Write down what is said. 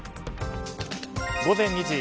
午前２時。